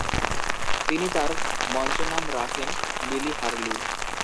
তিনি তার মঞ্চনাম রাখেন লিলি হার্লি।